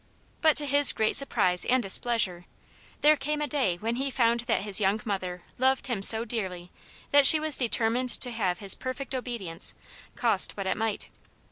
But, to his great surprise and displeasure, there came a day when he found that his young mother loved him so dearly that she was determined to have his perfect obedience, cost what it might.